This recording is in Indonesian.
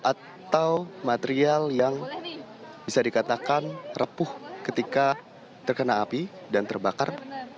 atau material yang bisa dikatakan repuh ketika terkena api dan terbakar